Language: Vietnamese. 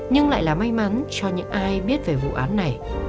nhưng lại là may mắn cho những ai biết về vụ án này